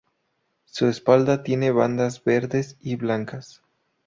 Su espalda tiene bandas verdes y blancas.